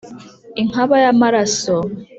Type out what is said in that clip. inkaba y'amaraso